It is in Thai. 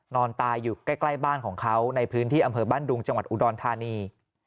นอนตายอยู่ใกล้บ้านของเขาในพื้นที่อำเภอบ้านดุงจังหวัดอุดรธานี